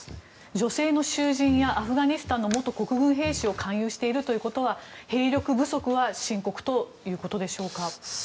女性の囚人やアフガニスタンの元国軍兵士を勧誘しているということは兵力不足は深刻ということでしょうか。